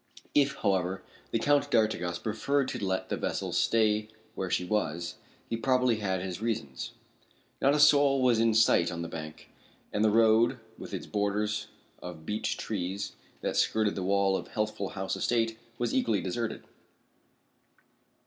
If, however, the Count d'Artigas preferred to let the vessel stay where she was, he probably had his reasons. Not a soul was in sight on the bank, and the road, with its borders of beech trees that skirted the wall of Healthful House estate, was equally deserted.